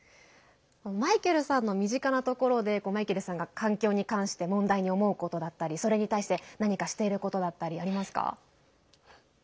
マイケルさんの身近なところでマイケルさんが環境に関して問題に思うことだったりそれに対して何かしていることだったりありますか？